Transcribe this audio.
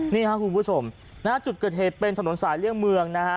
นี่ครับคุณผู้ชมนะฮะจุดเกิดเหตุเป็นถนนสายเลี่ยงเมืองนะฮะ